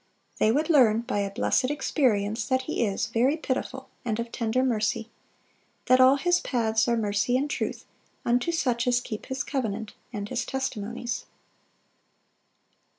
They would learn by a blessed experience that He is "very pitiful, and of tender mercy;" that all His paths "are mercy and truth unto such as keep His covenant and His testimonies."